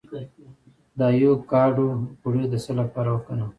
د ایوکاډو غوړي د څه لپاره وکاروم؟